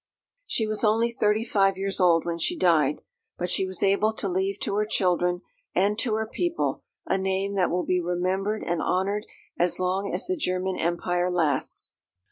She was only thirty five years old when she died; but she was able to leave to her children and to her people a name that will be remembered and honoured as long as the German Empire lasts.